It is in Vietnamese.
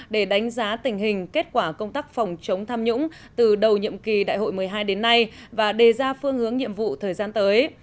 để đánh giá tình hình kết quả công tác phòng chống tham nhũng từ đầu nhiệm kỳ đại hội một mươi hai đến nay và đề ra phương hướng nhiệm vụ thời gian tới